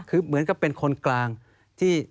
อันนั้นก็เป็นคนกลางที่